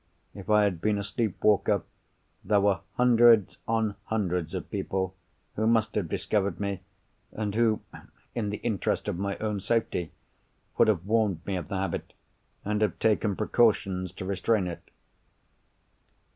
If I had been a sleep walker, there were hundreds on hundreds of people who must have discovered me, and who, in the interest of my own safety, would have warned me of the habit, and have taken precautions to restrain it.